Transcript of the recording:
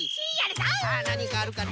さあなにかあるかな？